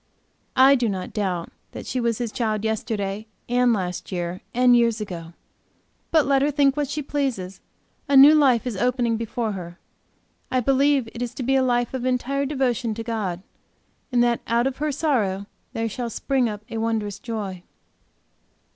I do not doubt that, she was His child, yesterday and last year, and years ago. But let her think, what she pleases. A new life is opening before her; I believe it is to be a life of entire devotion to God, and that out of her sorrow there shall spring up a wondrous joy.